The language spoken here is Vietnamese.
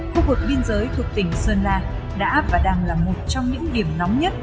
khu vực biên giới thuộc tỉnh sơn la đã và đang là một trong những điểm nóng nhất